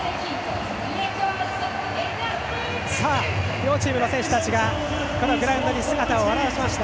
両チームの選手たちがグランドに姿を現しました。